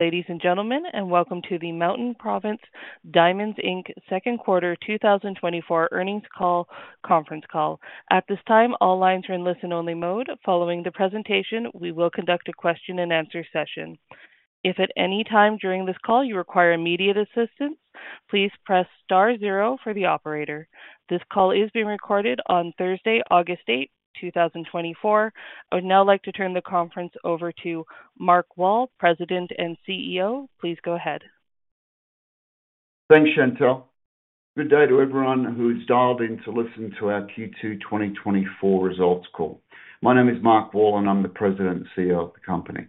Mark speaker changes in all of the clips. Speaker 1: Ladies and gentlemen, and welcome to the Mountain Province Diamonds Inc's Second Quarter 2024 Earnings Call, conference call. At this time, all lines are in listen-only mode. Following the presentation, we will conduct a question-and-answer session. If at any time during this call you require immediate assistance, please press star zero for the operator. This call is being recorded on Thursday, August 8, 2024. I would now like to turn the conference over to Mark Wall, President and CEO. Please go ahead.
Speaker 2: Thanks, Shantelle. Good day to everyone who's dialed in to listen to our Q2 2024 results call. My name is Mark Wall, and I'm the President and CEO of the company.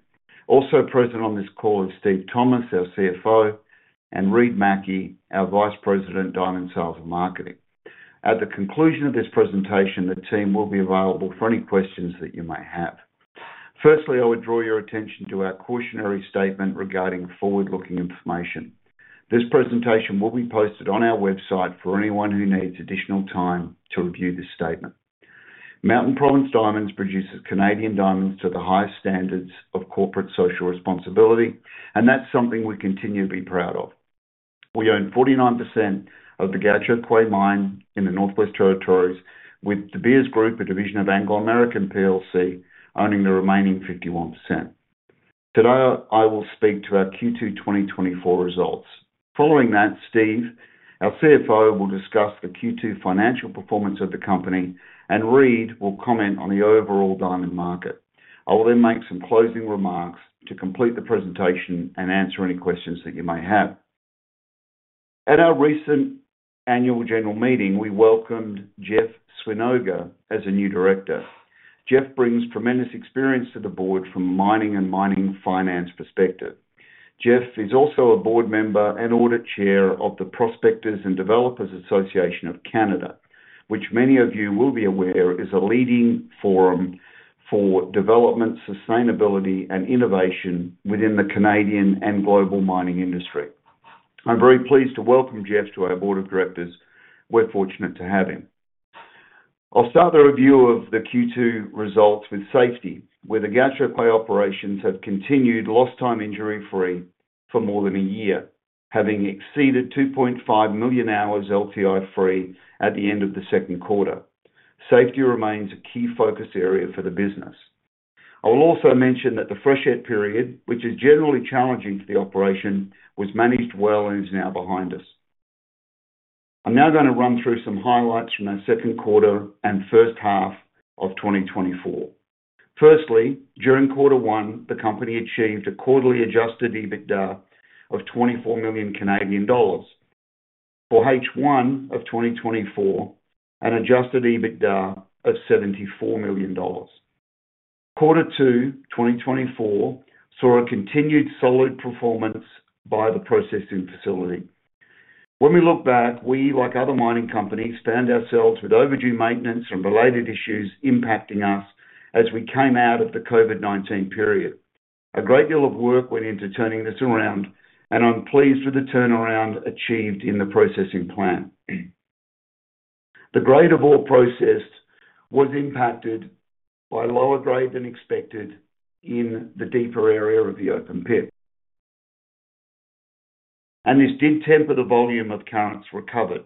Speaker 2: Also present on this call is Steve Thomas, our CFO, and Reid Mackie, our Vice President, Diamond Sales and Marketing. At the conclusion of this presentation, the team will be available for any questions that you may have. Firstly, I would draw your attention to our cautionary statement regarding forward-looking information. This presentation will be posted on our website for anyone who needs additional time to review this statement. Mountain Province Diamonds produces Canadian diamonds to the highest standards of corporate social responsibility, and that's something we continue to be proud of. We own 49% of the Gahcho Kué mine in the Northwest Territories, with De Beers Group, a division of Anglo American plc, owning the remaining 51%. Today, I will speak to our Q2 2024 results. Following that, Steve, our CFO, will discuss the Q2 financial performance of the company, and Reid will comment on the overall diamond market. I will then make some closing remarks to complete the presentation and answer any questions that you may have. At our recent annual general meeting, we welcomed Jeff Swinoga as a new Director. Jeff brings tremendous experience to the board from mining and mining finance perspective. Jeff is also a Board Member and Audit Chair of the Prospectors and Developers Association of Canada, which many of you will be aware, is a leading forum for development, sustainability, and innovation within the Canadian and global mining industry. I'm very pleased to welcome Jeff to our Board of Directors. We're fortunate to have him. I'll start the review of the Q2 results with safety, where the Gahcho Kué operations have continued lost time injury-free for more than a year, having exceeded 2.5 million hours LTI free at the end of the second quarter. Safety remains a key focus area for the business. I will also mention that the freshet period, which is generally challenging to the operation, was managed well and is now behind us. I'm now gonna run through some highlights from our second quarter and first half of 2024. Firstly, during quarter one, the company achieved a quarterly adjusted EBITDA of 24 million Canadian dollars. For H1 of 2024, an adjusted EBITDA of 74 million dollars. Quarter two 2024 saw a continued solid performance by the processing facility. When we look back, we, like other mining companies, found ourselves with overdue maintenance and related issues impacting us as we came out of the COVID-19 period. A great deal of work went into turning this around, and I'm pleased with the turnaround achieved in the processing plant. The grade of ore processed was impacted by lower grade than expected in the deeper area of the open pit. This did temper the volume of carats recovered,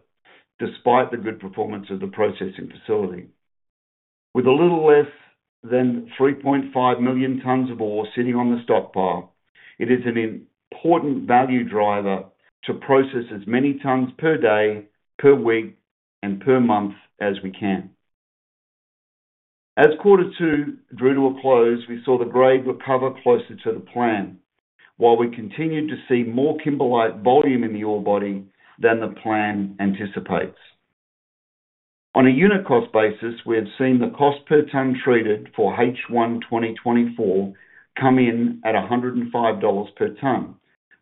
Speaker 2: despite the good performance of the processing facility. With a little less than 3.5 million tons of ore sitting on the stockpile, it is an important value driver to process as many tons per day, per week, and per month as we can. As quarter two drew to a close, we saw the grade recover closer to the plan, while we continued to see more kimberlite volume in the ore body than the plan anticipates. On a unit cost basis, we have seen the cost per ton treated for H1 2024 come in at 105 dollars per ton,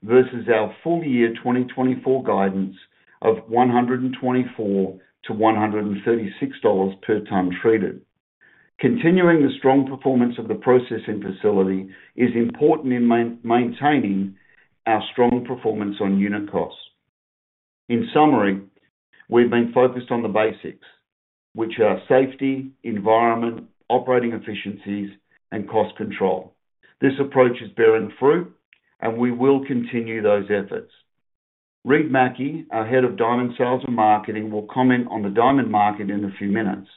Speaker 2: versus our full year 2024 guidance of 124-136 dollars per ton treated. Continuing the strong performance of the processing facility is important in maintaining our strong performance on unit costs. In summary, we've been focused on the basics, which are safety, environment, operating efficiencies, and cost control. This approach is bearing fruit, and we will continue those efforts. Reid Mackie, our head of diamond sales and marketing, will comment on the diamond market in a few minutes.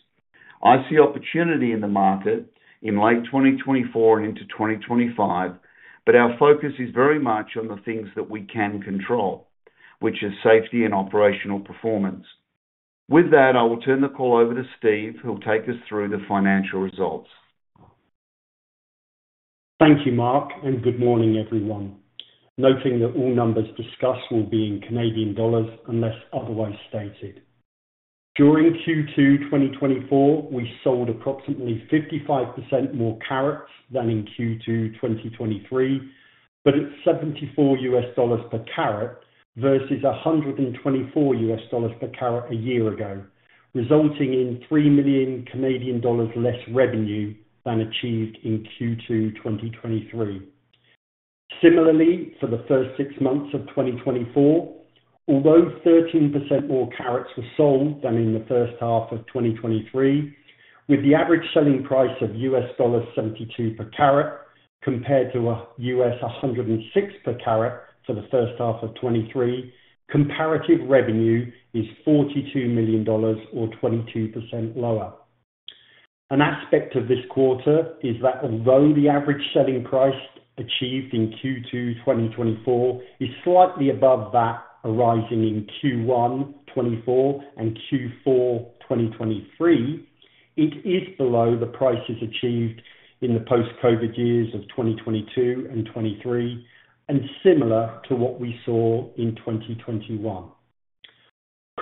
Speaker 2: I see opportunity in the market in late 2024 and into 2025, but our focus is very much on the things that we can control, which is safety and operational performance. With that, I will turn the call over to Steve, who will take us through the financial results.
Speaker 3: Thank you, Mark, and good morning, everyone. Noting that all numbers discussed will be in Canadian dollars, unless otherwise stated. During Q2 2024, we sold approximately 55% more carats than in Q2 2023, but at CAD 74 per carat versus CAD 124 per carat a year ago, resulting in 3 million Canadian dollars less revenue than achieved in Q2 2023. Similarly, for the first six months of 2024- ... Although 13% more carats were sold than in the first half of 2023, with the average selling price of CAD 72 per carat, compared to 106 per carat for the first half of 2023, comparative revenue is 42 million dollars, or 22% lower. An aspect of this quarter is that although the average selling price achieved in Q2 2024 is slightly above that arising in Q1 2024 and Q4 2023, it is below the prices achieved in the post-COVID years of 2022 and 2023, and similar to what we saw in 2021.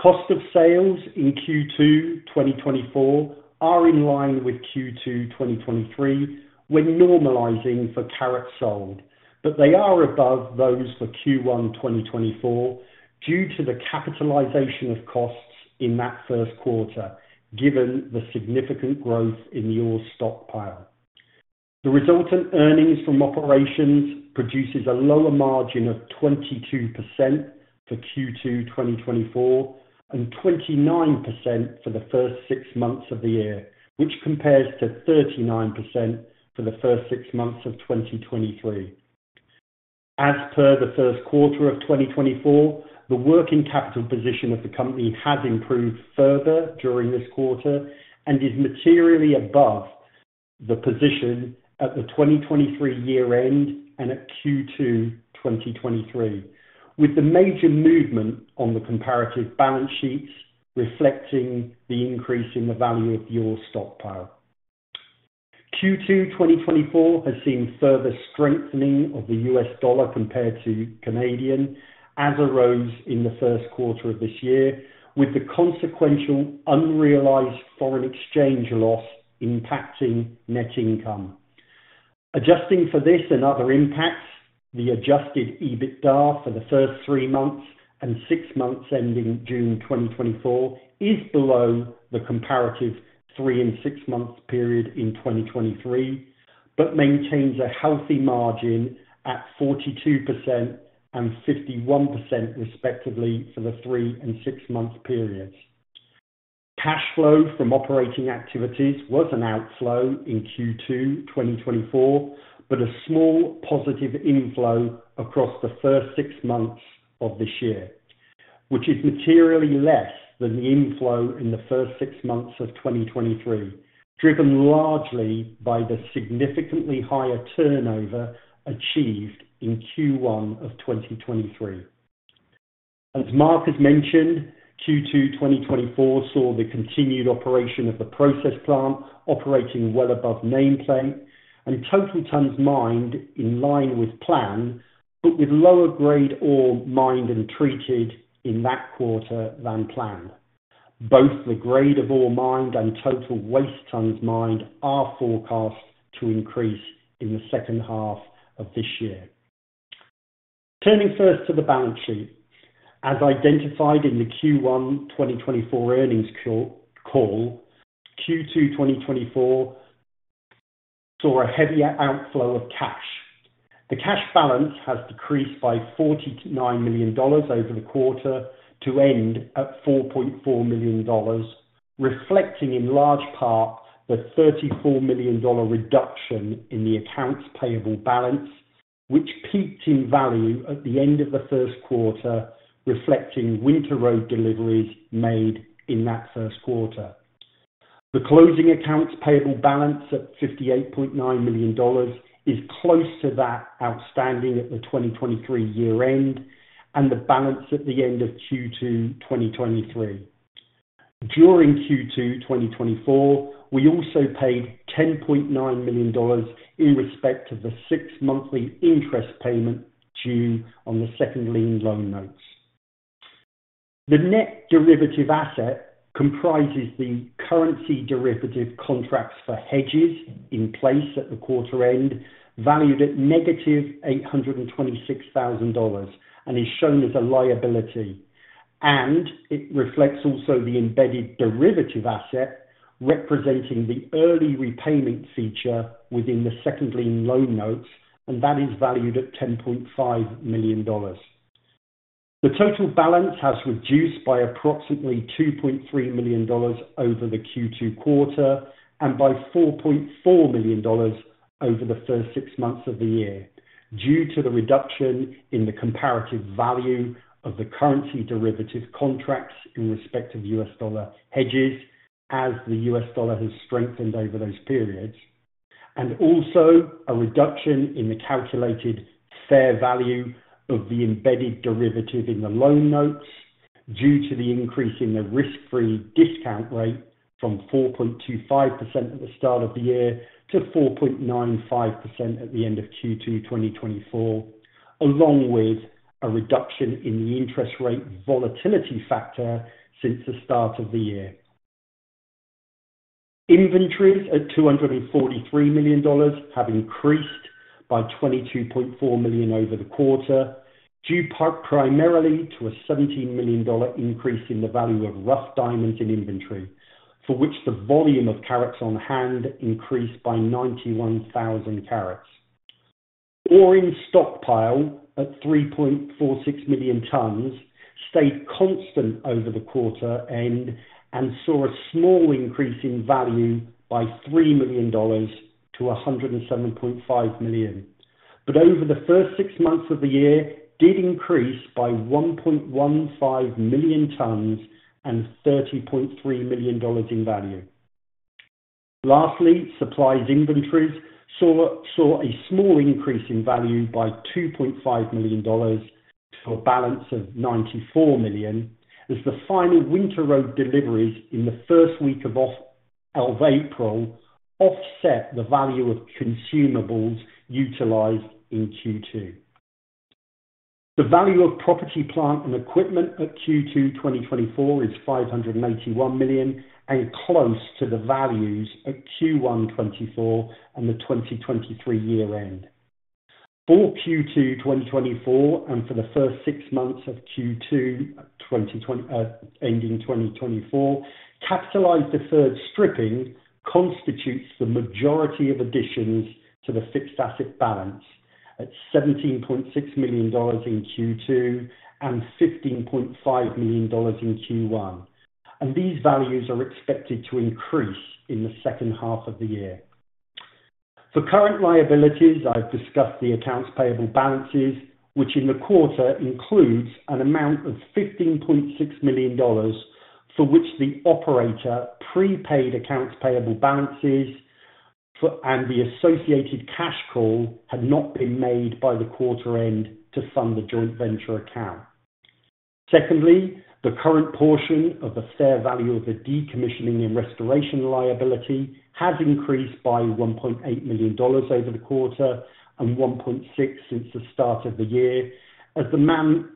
Speaker 3: Cost of sales in Q2 2024 are in line with Q2 2023, when normalizing for carats sold, but they are above those for Q1 2024, due to the capitalization of costs in that first quarter, given the significant growth in your stockpile. The resultant earnings from operations produces a lower margin of 22% for Q2 2024, and 29% for the first six months of the year, which compares to 39% for the first six months of 2023. As per the first quarter of 2024, the working capital position of the company has improved further during this quarter and is materially above the position at the 2023 year end and at Q2 2023, with the major movement on the comparative balance sheets reflecting the increase in the value of your stockpile. Q2 2024 has seen further strengthening of the U.S. dollar compared to Canadian, as arose in the first quarter of this year, with the consequential unrealized foreign exchange loss impacting net income. Adjusting for this and other impacts, the adjusted EBITDA for the first three months and six months ending June 2024, is below the comparative three and six-month period in 2023, but maintains a healthy margin at 42% and 51%, respectively, for the three and six-month periods. Cash flow from operating activities was an outflow in Q2 2024, but a small positive inflow across the first six months of this year, which is materially less than the inflow in the first six months of 2023, driven largely by the significantly higher turnover achieved in Q1 of 2023. As Mark has mentioned, Q2 2024 saw the continued operation of the process plant operating well above nameplate, and total tonnes mined in line with plan, but with lower grade ore mined and treated in that quarter than planned. Both the grade of ore mined and total waste tonnes mined are forecast to increase in the second half of this year. Turning first to the balance sheet. As identified in the Q1 2024 earnings call, Q2 2024 saw a heavier outflow of cash. The cash balance has decreased by 49 million dollars over the quarter to end at 4.4 million dollars, reflecting in large part the 34 million dollar reduction in the accounts payable balance, which peaked in value at the end of the first quarter, reflecting Winter Road deliveries made in that first quarter. The closing accounts payable balance at 58.9 million dollars is close to that outstanding at the 2023 year end and the balance at the end of Q2 2023. During Q2 2024, we also paid 10.9 million dollars in respect of the six-monthly interest payment due on the Second Lien Loan Notes. The net derivative asset comprises the currency derivative contracts for hedges in place at the quarter end, valued at CAD-826,000, and is shown as a liability. It reflects also the embedded derivative asset, representing the early repayment feature within the Second Lien Loan Notes, and that is valued at 10.5 million dollars. The total balance has reduced by approximately 2.3 million dollars over the Q2 quarter, and by 4.4 million dollars over the first six months of the year, due to the reduction in the comparative value of the currency derivative contracts in respect of U.S. dollar hedges, as the U.S. dollar has strengthened over those periods. Also a reduction in the calculated fair value of the embedded derivative in the loan notes, due to the increase in the risk-free discount rate from 4.25% at the start of the year to 4.95% at the end of Q2 2024, along with a reduction in the interest rate volatility factor since the start of the year. Inventories at 243 million dollars have increased by 22.4 million over the quarter, due part primarily to a 17 million dollar increase in the value of rough diamonds in inventory, for which the volume of carats on hand increased by 91,000 carats. Ore in stockpile at 3.46 million tons stayed constant over the quarter and saw a small increase in value by 3 million dollars to 107.5 million. But over the first six months of the year, did increase by 1.15 million tons and 30.3 million dollars in value. Lastly, supplies inventories saw a small increase in value by 2.5 million dollars to a balance of 94 million, as the final winter road deliveries in the first week of April offset the value of consumables utilized in Q2. The value of property, plant and equipment at Q2 2024 is 581 million, and close to the values at Q1 2024 and the 2023 year end. For Q2 2024, and for the first six months of Q2 ending 2024, capitalized deferred stripping constitutes the majority of additions to the fixed asset balance, at 17.6 million dollars in Q2 and 15.5 million dollars in Q1. These values are expected to increase in the second half of the year. For current liabilities, I've discussed the accounts payable balances, which in the quarter includes an amount of 15.6 million dollars, for which the operator prepaid accounts payable balances and the associated cash call had not been made by the quarter end to fund the joint venture account. Secondly, the current portion of the fair value of the decommissioning and restoration liability has increased by 1.8 million dollars over the quarter and 1.6 million since the start of the year, as the mine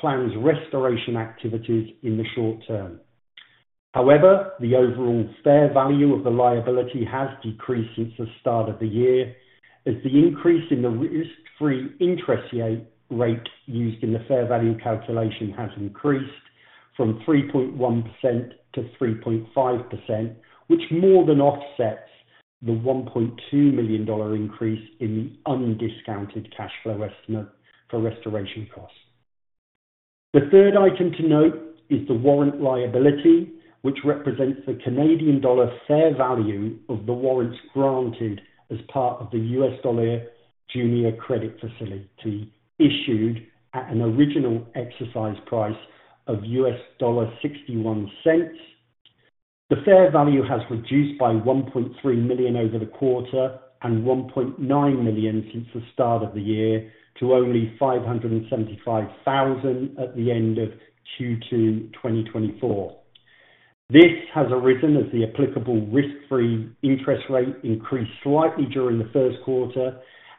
Speaker 3: plans restoration activities in the short term. However, the overall fair value of the liability has decreased since the start of the year, as the increase in the risk-free interest rate used in the fair value calculation has increased from 3.1%-3.5%, which more than offsets the 1.2 million dollar increase in the undiscounted cash flow estimate for restoration costs. The third item to note is the warrant liability, which represents the Canadian dollar fair value of the warrants granted as part of the U.S. dollar junior credit facility, issued at an original exercise price of $0.61. The fair value has reduced by 1.3 million over the quarter, and 1.9 million since the start of the year, to only 575,000 at the end of Q2, 2024. This has arisen as the applicable risk-free interest rate increased slightly during the first quarter,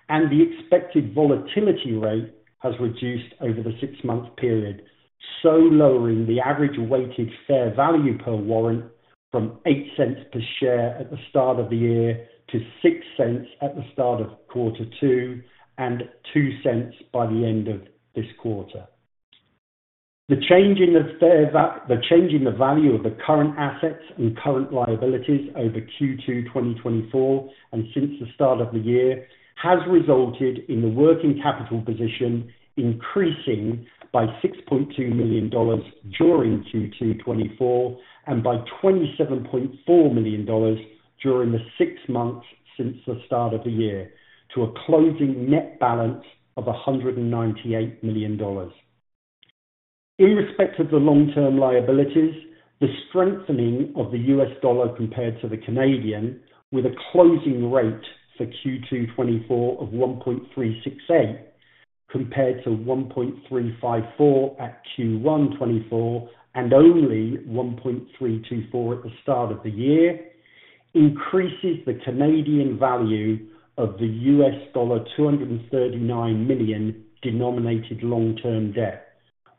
Speaker 3: and the expected volatility rate has reduced over the six-month period, so lowering the average weighted fair value per warrant from 0.08 per share at the start of the year, to 0.06 at the start of quarter two, and 0.02 by the end of this quarter. The change in the value of the current assets and current liabilities over Q2 2024, and since the start of the year, has resulted in the working capital position increasing by 6.2 million dollars during Q2 2024, and by 27.4 million dollars during the six months since the start of the year, to a closing net balance of 198 million dollars. In respect of the long-term liabilities, the strengthening of the U.S. dollar compared to the Canadian, with a closing rate for Q2 2024 of 1.368, compared to 1.354 at Q1 2024, and only 1.324 at the start of the year, increases the Canadian value of the $239 million denominated long-term debt.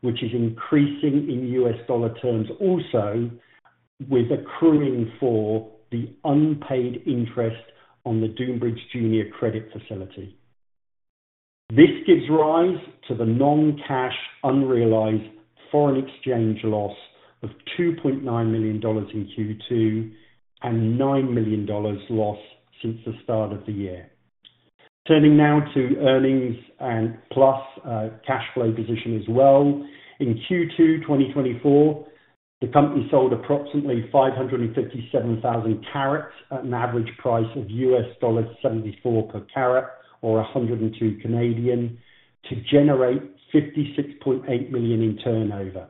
Speaker 3: Which is increasing in U.S. dollar terms, also with accruing for the unpaid interest on the Dunebridge junior credit facility. This gives rise to the non-cash, unrealized foreign exchange loss of 2.9 million dollars in Q2, and 9 million dollars loss since the start of the year. Turning now to earnings and plus, cash flow position as well. In Q2 2024, the company sold approximately 557,000 carats at an average price of $74 per carat, or 102, to generate 56.8 million in turnover.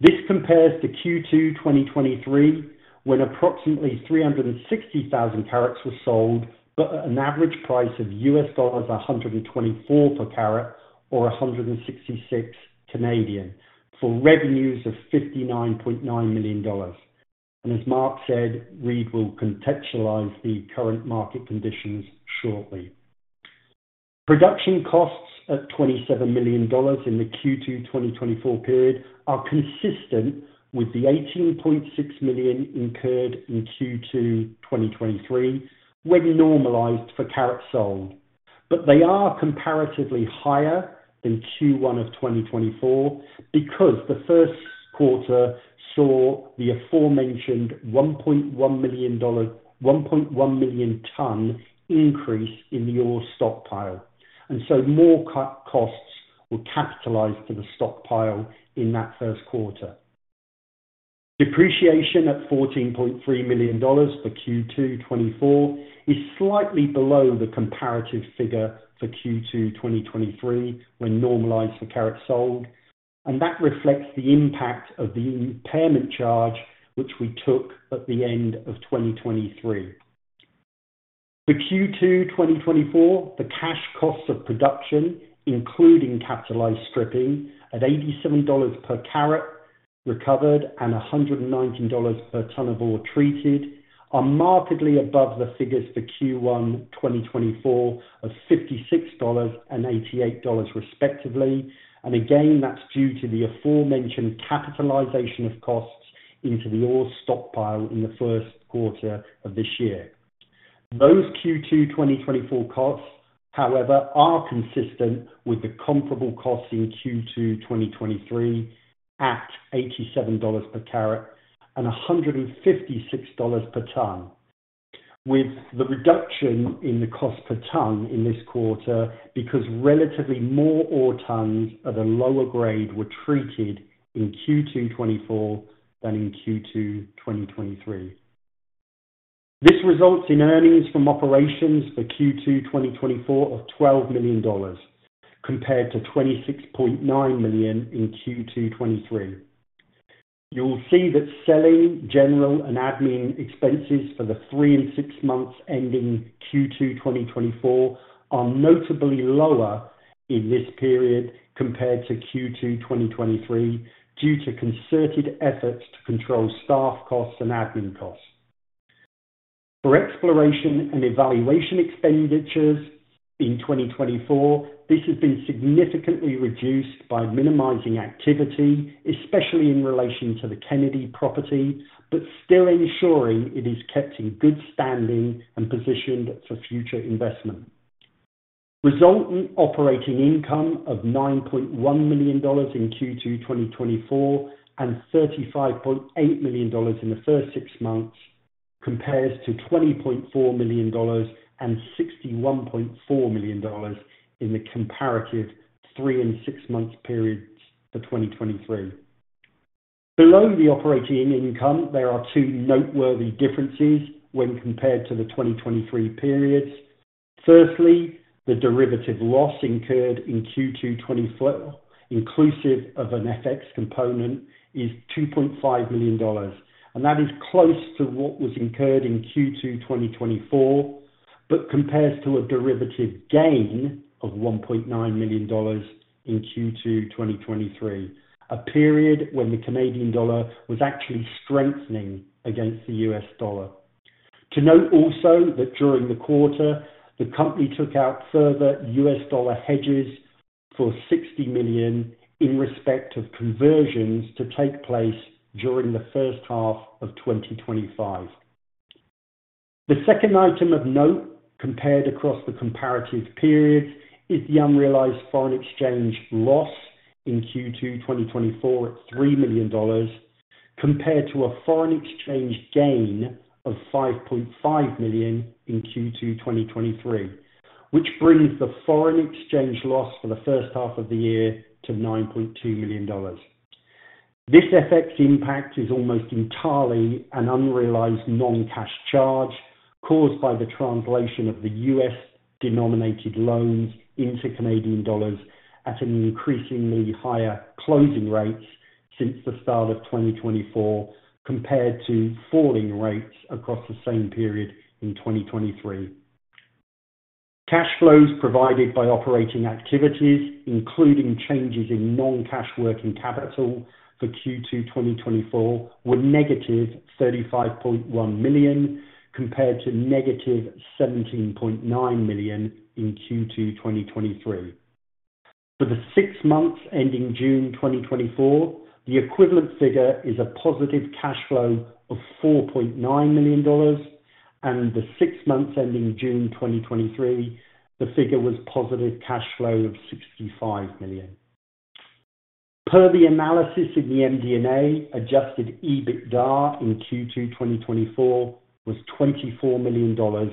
Speaker 3: This compares to Q2 2023, when approximately 360,000 carats were sold, but at an average price of $124 per carat, or 166, for revenues of 59.9 million dollars. As Mark said, Reid will contextualize the current market conditions shortly. Production costs of 27 million dollars in the Q2 2024 period are consistent with the 18.6 million incurred in Q2 2023, when normalized for carats sold. but they are comparatively higher than Q1 of 2024, because the first quarter saw the aforementioned 1.1 million ton increase in the ore stockpile, and so more costs were capitalized for the stockpile in that first quarter. Depreciation at 14.3 million dollars for Q2 2024, is slightly below the comparative figure for Q2 2023, when normalized for carat sold, and that reflects the impact of the impairment charge, which we took at the end of 2023. For Q2 2024, the cash costs of production, including capitalized stripping, at 87 dollars per carat recovered and 119 dollars per ton of ore treated, are markedly above the figures for Q1 2024, of 56 dollars and 88 dollars, respectively. And again, that's due to the aforementioned capitalization of costs into the ore stockpile in the first quarter of this year. Those Q2 2024 costs, however, are consistent with the comparable costs in Q2 2023, at 87 dollars per carat and 156 dollars per ton. With the reduction in the cost per ton in this quarter, because relatively more ore tons at a lower grade were treated in Q2 2024 than in Q2 2023. This results in earnings from operations for Q2 2024 of 12 million dollars, compared to 26.9 million in Q2 2023. You'll see that selling, general, and admin expenses for the three and six months ending Q2 2024, are notably lower in this period compared to Q2 2023, due to concerted efforts to control staff costs and admin costs. For exploration and evaluation expenditures in 2024, this has been significantly reduced by minimizing activity, especially in relation to the Kennady property, but still ensuring it is kept in good standing and positioned for future investment. Resultant operating income of 9.1 million dollars in Q2 2024, and 35.8 million dollars in the first six months, compares to 20.4 million dollars and 61.4 million dollars in the comparative three and six-month periods for 2023. Below the operating income, there are two noteworthy differences when compared to the 2023 periods. Firstly, the derivative loss incurred in Q2 2024, inclusive of an FX component, is 2.5 million dollars, and that is close to what was incurred in Q2 2024, but compares to a derivative gain of 1.9 million dollars in Q2 2023, a period when the Canadian dollar was actually strengthening against the U.S. dollar. To note also, that during the quarter, the company took out further U.S. dollar hedges for 60 million in respect of conversions to take place during the first half of 2025. The second item of note, compared across the comparative period, is the unrealized foreign exchange loss in Q2 2024 at 3 million dollars, compared to a foreign exchange gain of 5.5 million in Q2 2023. Which brings the foreign exchange loss for the first half of the year to 9.2 million dollars. This FX impact is almost entirely an unrealized non-cash charge caused by the translation of the U.S.-denominated loans into Canadian dollars at an increasingly higher closing rates since the start of 2024, compared to falling rates across the same period in 2023. Cash flows provided by operating activities, including changes in non-cash working capital for Q2 2024, were -35.1 million, compared to -17.9 million in Q2 2023. For the six months ending June 2024, the equivalent figure is a positive cash flow of 4.9 million dollars, and the six months ending June 2023, the figure was positive cash flow of 65 million. Per the analysis in the MD&A, adjusted EBITDA in Q2 2024, was 24 million dollars,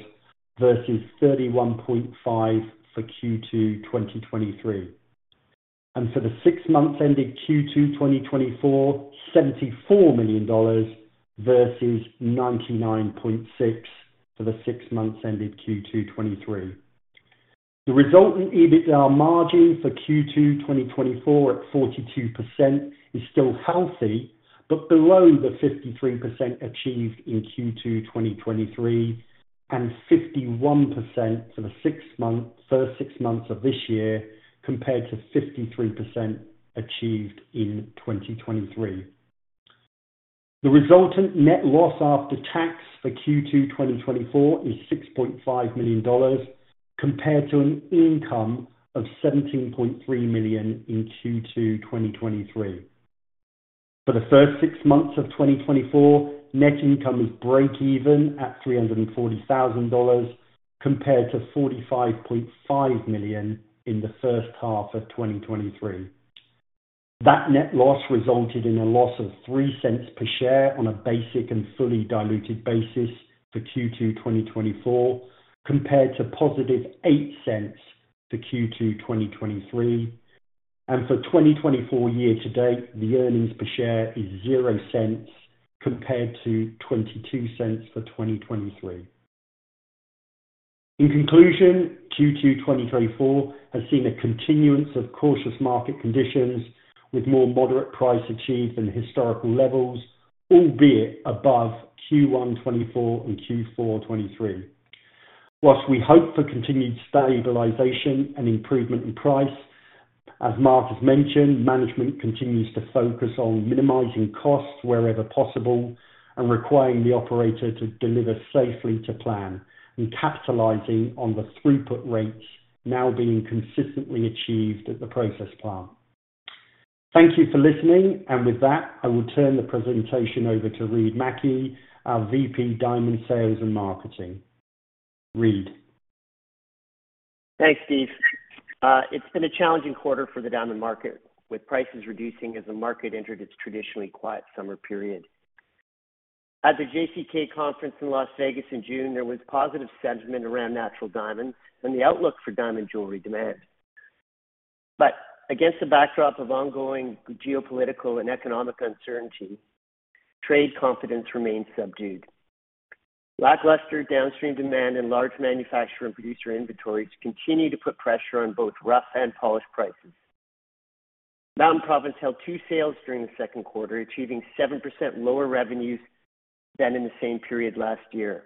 Speaker 3: versus 31.5 million for Q2 2023. For the six months ended Q2 2024, CAD 74 million versus 99.6 million for the six months ended Q2 2023. The resultant EBITDA margin for Q2 2024 at 42% is still healthy, but below the 53% achieved in Q2 2023, and 51% for the first six months of this year, compared to 53% achieved in 2023. The resultant net loss after tax for Q2 2024 is 6.5 million dollars, compared to an income of 17.3 million in Q2 2023. For the first six months of 2024, net income was breakeven at 340,000 dollars, compared to 45.5 million in the first half of 2023. That net loss resulted in a loss of 0.03 per share on a basic and fully diluted basis for Q2 2024, compared to positive 0.08 for Q2 2023. For 2024 year to date, the earnings per share is 0.00, compared to 0.22 for 2023. In conclusion, Q2 2024 has seen a continuance of cautious market conditions with more moderate price achieved than historical levels, albeit above Q1 2024 and Q4 2023. Whilst we hope for continued stabilization and improvement in price, as Mark has mentioned, management continues to focus on minimizing costs wherever possible and requiring the operator to deliver safely to plan, and capitalizing on the throughput rates now being consistently achieved at the process plant. Thank you for listening, and with that, I will turn the presentation over to Reid Mackie, our VP, Diamond Sales and Marketing. Reid?
Speaker 4: Thanks, Steve. It's been a challenging quarter for the diamond market, with prices reducing as the market entered its traditionally quiet summer period. At the JCK conference in Las Vegas in June, there was positive sentiment around natural diamonds and the outlook for diamond jewelry demand. But against the backdrop of ongoing geopolitical and economic uncertainty, trade confidence remains subdued. Lackluster downstream demand and large manufacturer and producer inventories continue to put pressure on both rough and polished prices. Mountain Province held two sales during the second quarter, achieving 7% lower revenues than in the same period last year.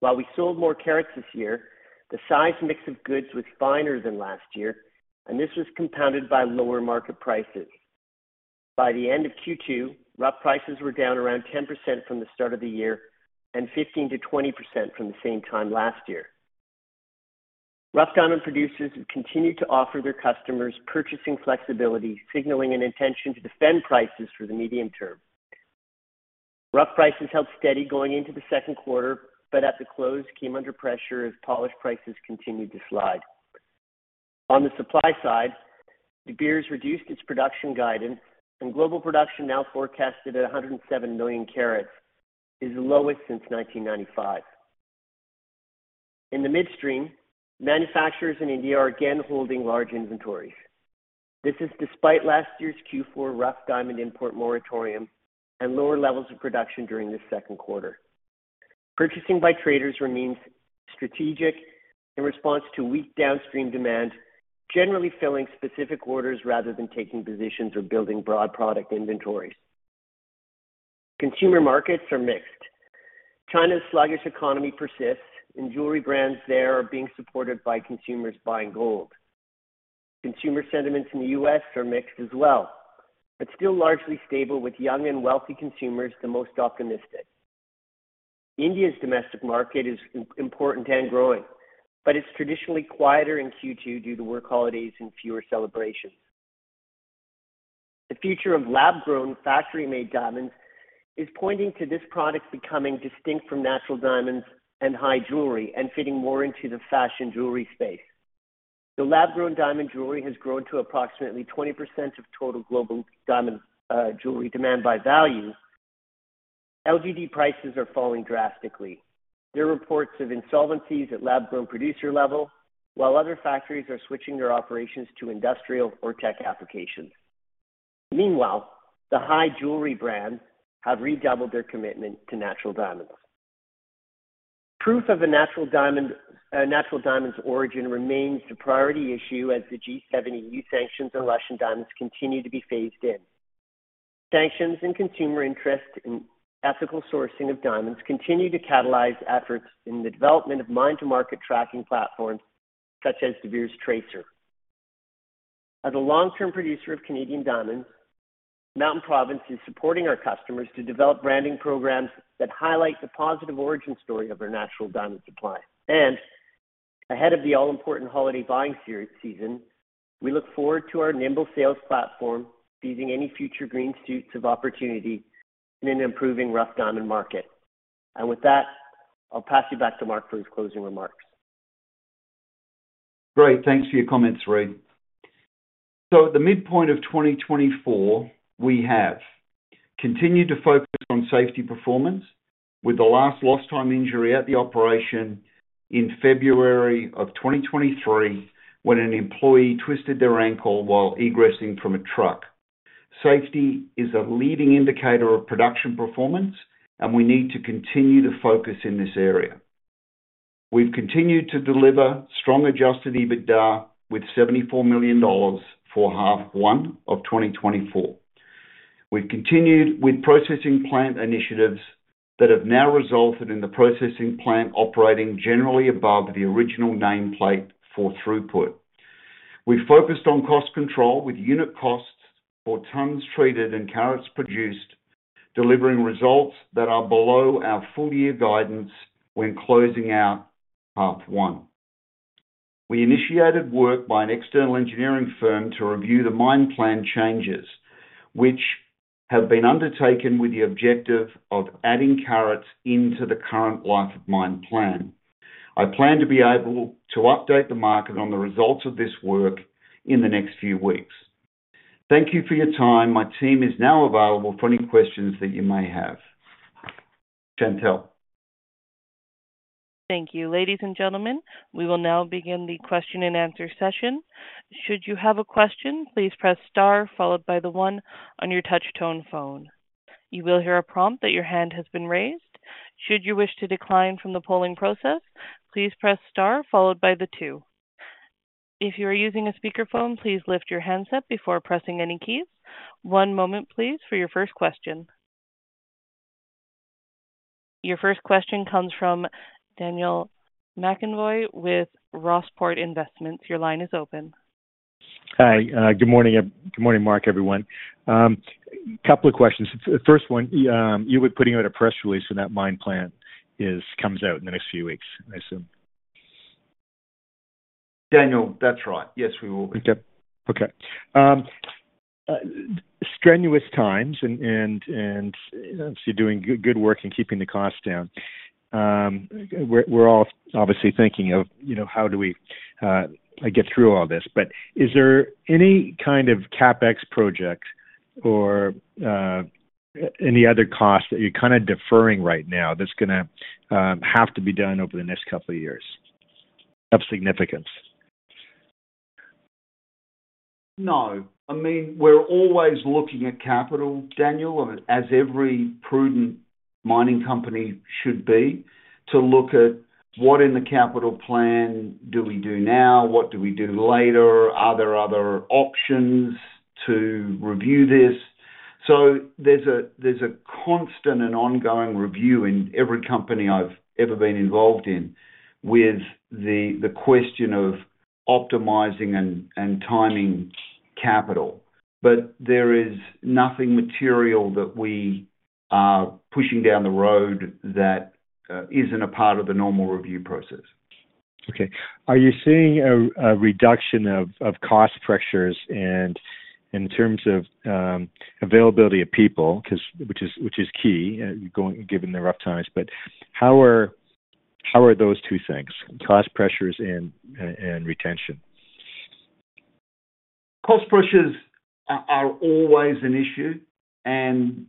Speaker 4: While we sold more carats this year, the size mix of goods was finer than last year, and this was compounded by lower market prices. By the end of Q2, rough prices were down around 10% from the start of the year and 15%-20% from the same time last year. Rough diamond producers have continued to offer their customers purchasing flexibility, signaling an intention to defend prices for the medium term. Rough prices held steady going into the second quarter, but at the close, came under pressure as polished prices continued to slide. On the supply side, De Beers reduced its production guidance, and global production, now forecasted at 107 million carats, is the lowest since 1995. In the midstream, manufacturers in India are again holding large inventories. This is despite last year's Q4 rough diamond import moratorium and lower levels of production during the second quarter. Purchasing by traders remains strategic in response to weak downstream demand, generally filling specific orders rather than taking positions or building broad product inventories. Consumer markets are mixed. China's sluggish economy persists, and jewelry brands there are being supported by consumers buying gold. Consumer sentiments in the U.S. are mixed as well, but still largely stable, with young and wealthy consumers the most optimistic. India's domestic market is important and growing, but it's traditionally quieter in Q2 due to work holidays and fewer celebrations. The future of lab-grown, factory-made diamonds is pointing to this product becoming distinct from natural diamonds and high jewelry, and fitting more into the fashion jewelry space. The lab-grown diamond jewelry has grown to approximately 20% of total global diamond jewelry demand by value. LGD prices are falling drastically. There are reports of insolvencies at lab-grown producer level, while other factories are switching their operations to industrial or tech applications. Meanwhile, the high jewelry brands have redoubled their commitment to natural diamonds. Proof of a natural diamond's origin remains the priority issue as the G7 EU sanctions on Russian diamonds continue to be phased in. Sanctions and consumer interest in ethical sourcing of diamonds continue to catalyze efforts in the development of mine-to-market tracking platforms such as De Beers Tracr. As a long-term producer of Canadian diamonds, Mountain Province is supporting our customers to develop branding programs that highlight the positive origin story of our natural diamond supply. Ahead of the all-important holiday buying season, we look forward to our nimble sales platform seizing any future green shoots of opportunity in an improving rough diamond market. With that, I'll pass you back to Mark for his closing remarks.
Speaker 2: Great. Thanks for your comments, Reid. At the midpoint of 2024, we have continued to focus on safety performance, with the last lost time injury at the operation in February of 2023, when an employee twisted their ankle while egressing from a truck. Safety is a leading indicator of production performance, and we need to continue to focus in this area. We've continued to deliver strong adjusted EBITDA with 74 million dollars for half one of 2024. We've continued with processing plant initiatives that have now resulted in the processing plant operating generally above the original nameplate for throughput. We've focused on cost control, with unit costs for tons treated and carats produced, delivering results that are below our full year guidance when closing out half one. ...We initiated work by an external engineering firm to review the mine plan changes, which have been undertaken with the objective of adding carats into the current life of mine plan. I plan to be able to update the market on the results of this work in the next few weeks. Thank you for your time. My team is now available for any questions that you may have. Shantelle?
Speaker 1: Thank you. Ladies and gentlemen, we will now begin the question and answer session. Should you have a question, please press star followed by the one on your touch tone phone. You will hear a prompt that your hand has been raised. Should you wish to decline from the polling process, please press star followed by the two. If you are using a speakerphone, please lift your handset before pressing any keys. One moment, please, for your first question. Your first question comes from Daniel McConvey with Rossport Investments. Your line is open.
Speaker 5: Hi, good morning. Good morning, Mark, everyone. Couple of questions. The first one, you were putting out a press release, and that mine plan comes out in the next few weeks, I assume?
Speaker 2: Daniel, that's right. Yes, we will be.
Speaker 5: Okay. Strenuous times and obviously doing good work and keeping the costs down. We're all obviously thinking of, you know, how do we get through all this? But is there any kind of CapEx project or any other costs that you're kind of deferring right now that's gonna have to be done over the next couple of years, of significance?
Speaker 2: No. I mean, we're always looking at capital, Daniel, as every prudent mining company should be, to look at what in the capital plan do we do now? What do we do later? Are there other options to review this? So there's a, there's a constant and ongoing review in every company I've ever been involved in with the, the question of optimizing and, and timing capital. But there is nothing material that we are pushing down the road that isn't a part of the normal review process.
Speaker 5: Okay. Are you seeing a reduction of cost pressures and in terms of availability of people? Because which is key, given the rough times. But how are those two things, cost pressures and retention?
Speaker 2: Cost pressures are always an issue, and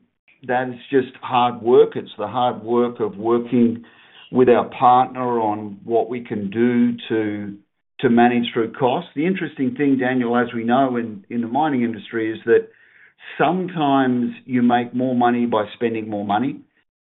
Speaker 2: that's just hard work. It's the hard work of working with our partner on what we can do to manage through cost. The interesting thing, Daniel, as we know in the mining industry, is that sometimes you make more money by spending more money,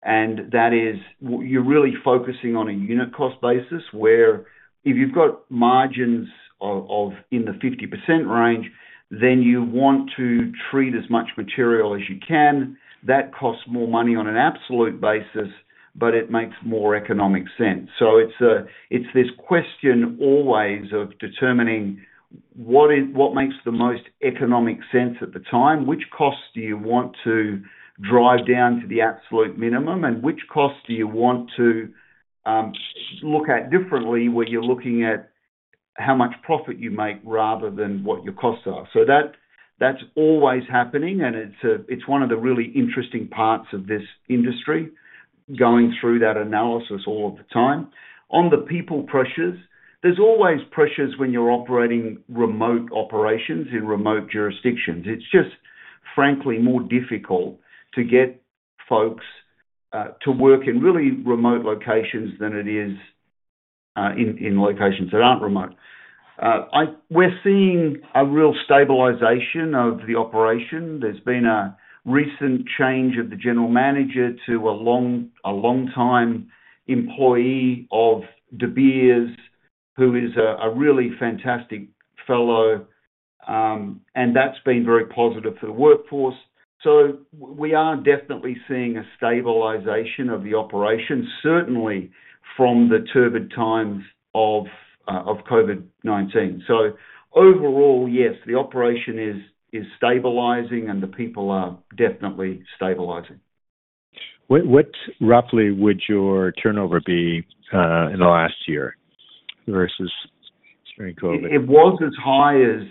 Speaker 2: and that is, you're really focusing on a unit cost basis, where if you've got margins of in the 50% range, then you want to treat as much material as you can. That costs more money on an absolute basis, but it makes more economic sense. So it's this question, always, of determining what makes the most economic sense at the time? Which costs do you want to drive down to the absolute minimum? Which costs do you want to look at differently when you're looking at how much profit you make rather than what your costs are? So that's always happening, and it's one of the really interesting parts of this industry, going through that analysis all of the time. On the people pressures, there's always pressures when you're operating remote operations in remote jurisdictions. It's just, frankly, more difficult to get folks to work in really remote locations than it is in locations that aren't remote. We're seeing a real stabilization of the operation. There's been a recent change of the general manager to a long-time employee of De Beers, who is a really fantastic fellow. And that's been very positive for the workforce. So we are definitely seeing a stabilization of the operation, certainly from the turbulent times of COVID-19. So overall, yes, the operation is stabilizing, and the people are definitely stabilizing.
Speaker 5: What roughly would your turnover be in the last year versus during COVID?
Speaker 2: It was as high as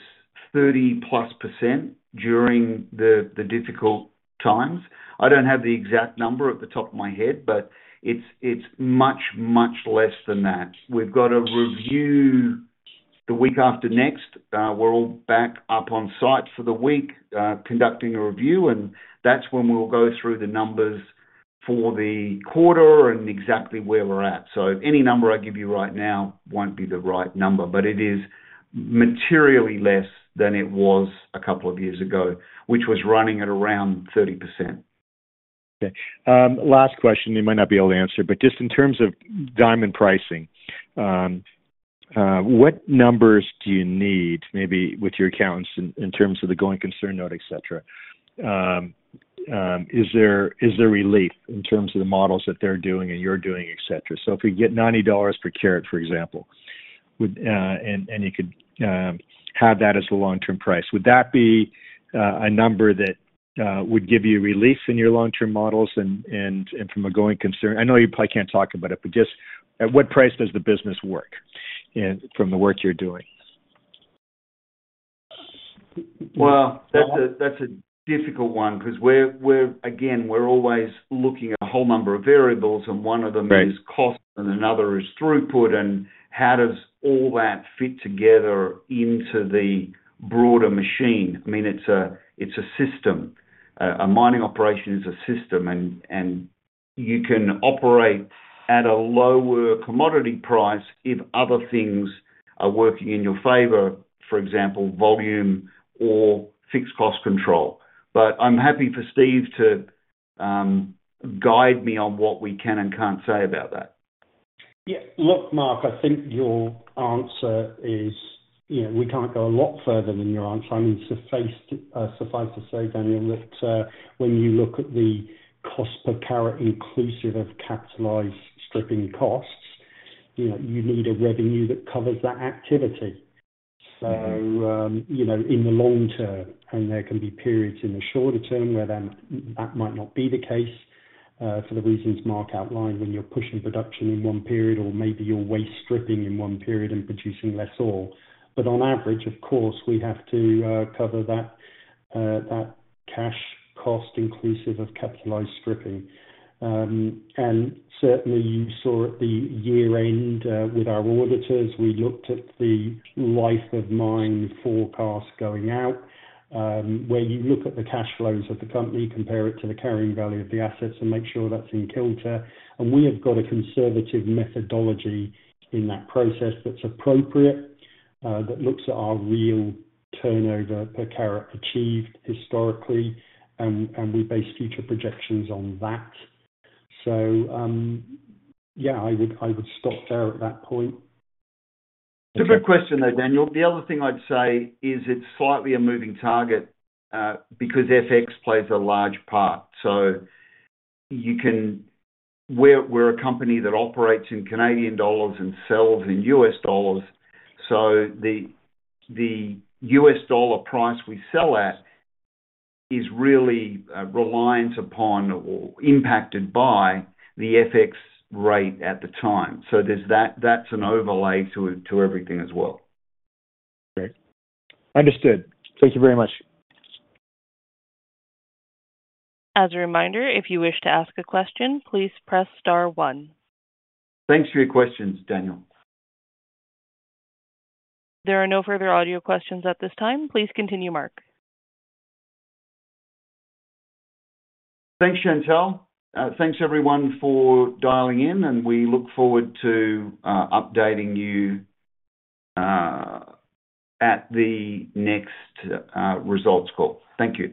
Speaker 2: 30+% during the difficult times. I don't have the exact number off the top of my head, but it's much, much less than that. We've got a review the week after next. We're all back up on site for the week, conducting a review, and that's when we'll go through the numbers for the quarter and exactly where we're at. So any number I give you right now won't be the right number, but it is materially less than it was a couple of years ago, which was running at around 30%.
Speaker 5: Okay. Last question, you might not be able to answer, but just in terms of diamond pricing, what numbers do you need, maybe with your accountants, in terms of the going concern note, et cetera? Is there relief in terms of the models that they're doing and you're doing, et cetera? So if we get 90 dollars per carat, for example, would and you could have that as a long-term price, would that be a number that- ... would give you relief in your long-term models and from a going concern? I know you probably can't talk about it, but just at what price does the business work and from the work you're doing?
Speaker 2: Well, that's a difficult one, because we're, again, we're always looking at a whole number of variables, and one of them-
Speaker 5: Right
Speaker 2: is cost, and another is throughput, and how does all that fit together into the broader machine? I mean, it's a system. A mining operation is a system, and you can operate at a lower commodity price if other things are working in your favor, for example, volume or fixed cost control. But I'm happy for Steve to guide me on what we can and can't say about that.
Speaker 3: Yeah. Look, Mark, I think your answer is, you know, we can't go a lot further than your answer. I mean, suffice to say, Daniel, that when you look at the cost per carat, inclusive of capitalized stripping costs, you know, you need a revenue that covers that activity.
Speaker 5: Mm-hmm.
Speaker 3: So, you know, in the long term, and there can be periods in the shorter term where then that might not be the case, for the reasons Mark outlined, when you're pushing production in one period, or maybe you're waste stripping in one period and producing less ore. But on average, of course, we have to cover that, that cash cost inclusive of capitalized stripping. And certainly you saw at the year-end, with our auditors, we looked at the life of mine forecast going out, where you look at the cash flows of the company, compare it to the carrying value of the assets, and make sure that's in kilter. And we have got a conservative methodology in that process that's appropriate, that looks at our real turnover per carat achieved historically, and, and we base future projections on that. Yeah, I would stop there at that point.
Speaker 2: It's a good question, though, Daniel. The other thing I'd say is it's slightly a moving target, because FX plays a large part. So you can... We're, we're a company that operates in Canadian dollars and sells in U.S. dollars, so the, the U.S. dollar price we sell at is really, reliant upon or impacted by the FX rate at the time. So there's that- that's an overlay to, to everything as well.
Speaker 5: Great. Understood. Thank you very much.
Speaker 1: As a reminder, if you wish to ask a question, please press star one.
Speaker 2: Thanks for your questions, Daniel.
Speaker 1: There are no further audio questions at this time. Please continue, Mark.
Speaker 2: Thanks, Shantelle. Thanks, everyone, for dialing in, and we look forward to updating you at the next results call. Thank you.